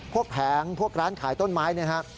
พวกแผงพวกร้านขายต้นไม้